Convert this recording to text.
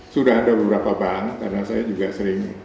sudah ada beberapa bank karena saya juga sering